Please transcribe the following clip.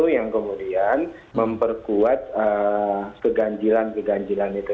yang kemudian memperkuat keganjilan keganjilan itu